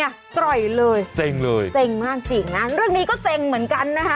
ปล่อยเลยเซ็งเลยเซ็งมากจริงนะเรื่องนี้ก็เซ็งเหมือนกันนะคะ